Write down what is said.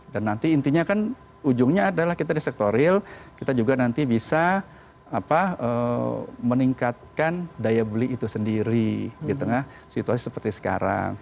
dan nanti intinya kan ujungnya adalah kita di sektor real kita juga nanti bisa meningkatkan daya beli itu sendiri di tengah situasi seperti sekarang